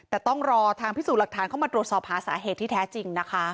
แต่ต้องรอทางพิสูจน์หลักฐานเข้ามาตรวจสอบหาสาเหตุที่แท้จริงนะคะ